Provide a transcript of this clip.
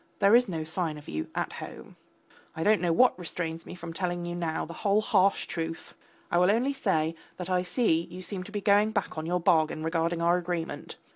There is no sign of you at home. I don't know what restrains me from telling you now the whole harsh truth. I will only say that I see you seem to be going back on your bargain regarding our agreement.